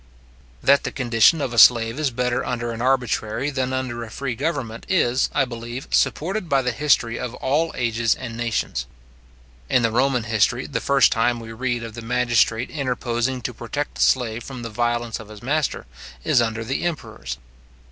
That the condition of a slave is better under an arbitrary than under a free government, is, I believe, supported by the history of all ages and nations. In the Roman history, the first time we read of the magistrate interposing to protect the slave from the violence of his master, is under the emperors.